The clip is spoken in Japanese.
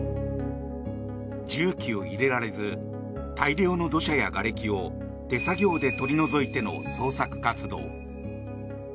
重機を入れられず大量の土砂やがれきを手作業で取り除いての捜索活動。